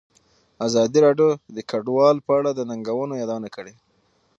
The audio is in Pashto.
ازادي راډیو د کډوال په اړه د ننګونو یادونه کړې.